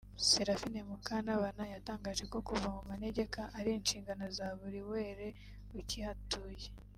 Seraphine Mukantabana yatangaje ko kuva mu manegeka ari inshingano za buri were ukihatuye